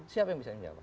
siapa yang bisa menjawab